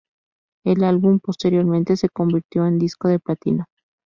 El álbum posteriormente se convirtió en disco de platino.